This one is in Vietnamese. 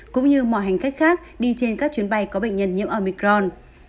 cũng như mọi hành khách khác đi trên các chuyến bay có bệnh nhân nhiễm omicron